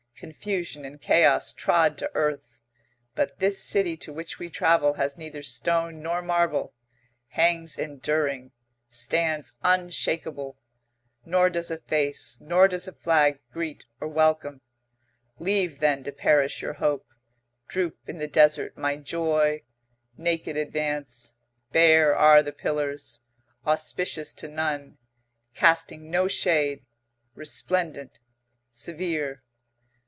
Confusion and chaos trod to earth. But this city to which we travel has neither stone nor marble; hangs enduring; stands unshakable; nor does a face, nor does a flag greet or welcome. Leave then to perish your hope; droop in the desert my joy; naked advance. Bare are the pillars; auspicious to none; casting no shade; resplendent; severe.